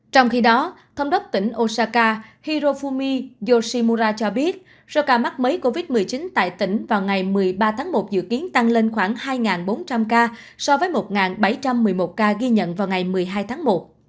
trong khi đó thống đốc tỉnh osaka hirophumi yoshimura cho biết số ca mắc mới covid một mươi chín tại tỉnh vào ngày một mươi ba tháng một dự kiến tăng lên khoảng hai bốn trăm linh ca so với một bảy trăm một mươi một ca ghi nhận vào ngày một mươi hai tháng một